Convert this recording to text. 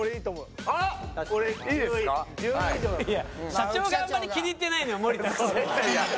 社長があんまり気に入ってないのよ森田の。